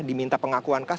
diminta pengakuan kah